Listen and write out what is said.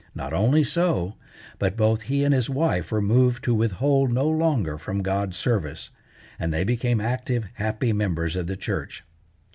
Not only so, but both he and his wife were moved to withhold no longer from God's service, and they became active, happy members of the church.